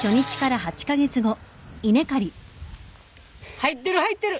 入ってる入ってる。